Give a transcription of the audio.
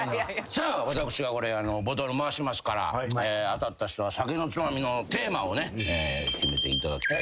さあ私がこれボトル回しますから当たった人は酒のツマミのテーマをね決めていただきたいと。